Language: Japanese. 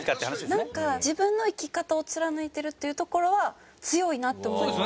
なんか自分の生き方を貫いてるっていうところは強いなって思います。